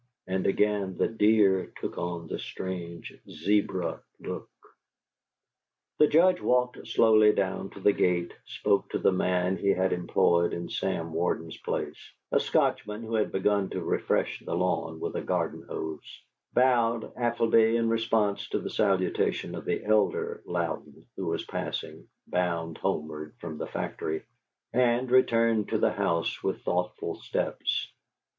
And again the deer took on the strange zebra look. The Judge walked slowly down to the gate; spoke to the man he had employed in Sam Warden's place, a Scotchman who had begun to refresh the lawn with a garden hose; bowed affably in response to the salutation of the elder Louden, who was passing, bound homeward from the factory, and returned to the house with thoughtful steps.